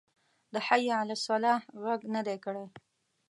د حی علی الصلواه غږ نه دی کړی.